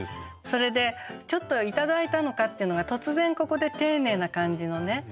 それでちょっと「頂いたのか」っていうのが突然ここで丁寧な感じのね